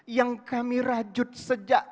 yang kami rajut sejak